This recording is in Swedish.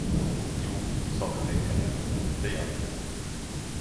Jo, sade Ulrika gällt, det gör det.